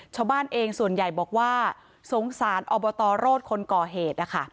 ชาวบ้านเองส่วนใหญ่บอกว่าสงสารอบตรโรธคนก่อเหตุนะคะ